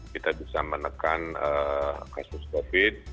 kita bisa menekan kasus covid